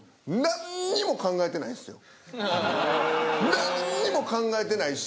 何にも考えてないし。